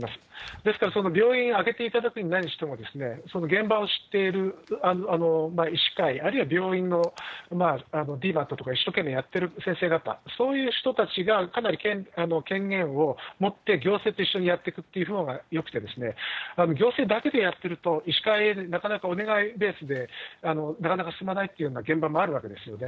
ですからその病院あけていただくにしても、何しても、現場を知っている医師会、あるいは病院のＤＭＡＴとか、一生懸命やっている先生方、そういう人たちがかなり権限を持って、行政と一緒にやっていくっていうほうがよくて、行政だけでやってると、医師会、なかなかお願いベースで、なかなか進まないというような現場もあるわけですよね。